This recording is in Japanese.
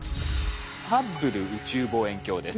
ハッブル宇宙望遠鏡です。